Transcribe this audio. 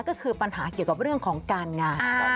ก็คือปัญหาเกี่ยวกับเรื่องของการงาน